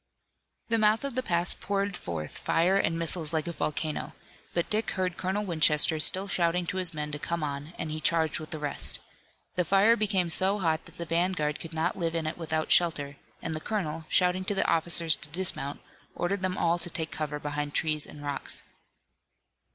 The mouth of the pass poured forth fire and missiles like a volcano, but Dick heard Colonel Winchester still shouting to his men to come on, and he charged with the rest. The fire became so hot that the vanguard could not live in it without shelter, and the colonel, shouting to the officers to dismount, ordered them all to take cover behind trees and rocks.